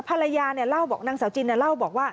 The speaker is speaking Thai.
ภรรยาเล่าบอกนางสาวจินเล่าบอกว่า